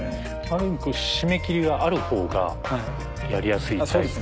ある意味締め切りがあるほうがやりやすいタイプ？